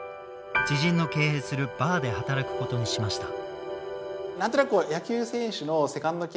知人の経営するバーで働くことにしました。